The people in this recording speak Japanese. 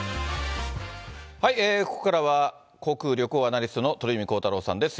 ここからは、航空・旅行アナリストの鳥海高太朗さんです。